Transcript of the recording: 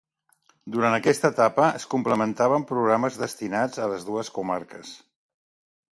Durant aquesta etapa, es complementaven programes destinats a les dues comarques.